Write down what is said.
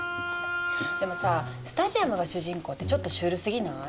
でもさぁスタジアムが主人公ってちょっとシュールすぎない？